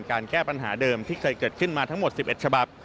แก้ปัญหาเดิมที่เคยเกิดขึ้นมาทั้งหมด๑๑ฉบับ